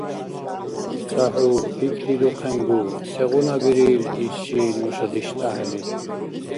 Ца хӀу пикрирухъенгу, сегъуна бирил иш ши нуша диштӀахӀели.